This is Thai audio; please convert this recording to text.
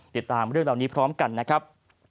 ติดตามเรื่องเหล่านี้พร้อมกันนะครับ